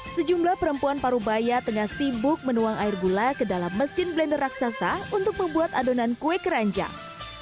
sejumlah perempuan parubaya tengah sibuk menuang air gula ke dalam mesin blender raksasa untuk membuat adonan kue keranjang